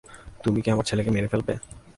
তুমি কি আমার ছেলেকে মেরে ফেলবে?